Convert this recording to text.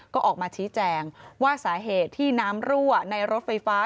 ก็ออกมาชี้แจงว่าสาเหตุที่น้ำรั่วในรถไฟฟ้า